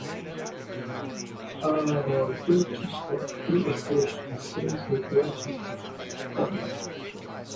A virtuoso, he established a solid reputation as a performer.